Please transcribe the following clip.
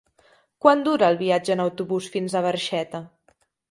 Quant dura el viatge en autobús fins a Barxeta?